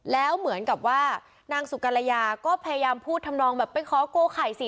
แล้วเหมือนกับว่านางสุกรยาก็พยายามพูดทำนองแบบไปขอโกไข่สิ